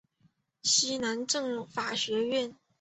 西南政法学院。